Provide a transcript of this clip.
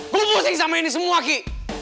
gue pusing sama ini semua ki